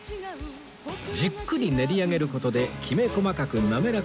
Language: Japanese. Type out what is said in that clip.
じっくり練り上げる事できめ細かく滑らかな舌触り